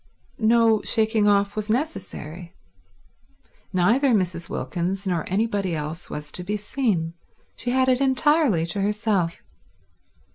No shaking off was necessary. Neither Mrs. Wilkins nor anybody else was to be seen. She had it entirely to herself.